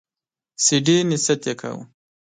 چي ډېر نصیحت یې کاوه !